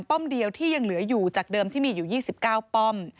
เดียวที่ยังเหลืออยู่จากเดิมที่มีอยู่๒๙ป้อม